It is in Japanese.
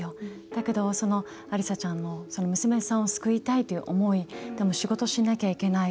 だけど、アリサちゃん娘さんを救いたいという思いでも仕事しなきゃいけない。